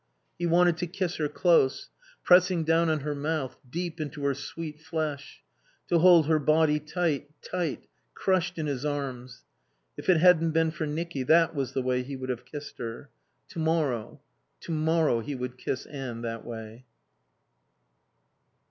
He wanted to kiss her close, pressing down on her mouth, deep into her sweet flesh; to hold her body tight, tight, crushed in his arms. If it hadn't been for Nicky that was the way he would have kissed her. To morrow, to morrow, he would kiss Anne that way.